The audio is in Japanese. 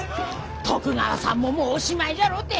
徳川さんももうおしまいじゃろうて。